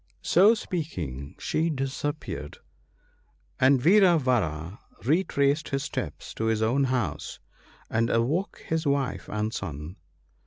" So speaking, she disappeared, and Vira vara retraced his steps to his own house and awoke his wife and son.